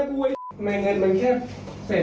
ต้องแจกไหมจะได้จำละมั้ย